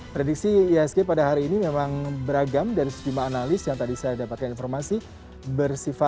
prediksi isg pada hari ini memang beragam dari sejumlah analis yang tadi saya dapatkan informasi bersifat